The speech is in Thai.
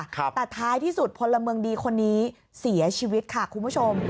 แต่ท้ายที่สุดพลเมืองดีคนนี้เสียชีวิตค่ะคุณผู้ชม